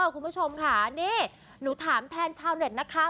คุณผู้ชมค่ะนี่หนูถามแทนชาวเน็ตนะคะ